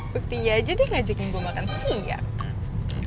buktinya aja dia ngajakin gue makan siap